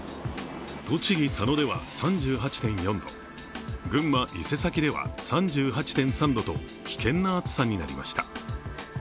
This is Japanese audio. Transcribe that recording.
栃木・佐野では３８．４度群馬・伊勢崎では３８．３度と危険な暑さになりました。